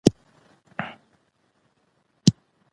کلېزه مو مبارک شه